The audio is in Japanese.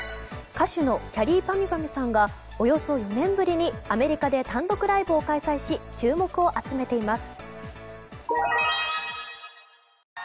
歌手のきゃりーぱみゅぱみゅさんがおよそ４年ぶりにアメリカで単独ライブを開催し注目を集めています。